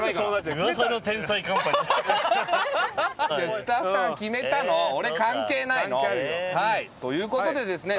スタッフさんが決めたの俺関係ないの。ということでですね